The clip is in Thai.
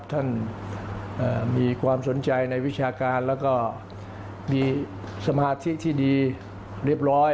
ท่านมีความสนใจในวิชาการแล้วก็มีสมาธิที่ดีเรียบร้อย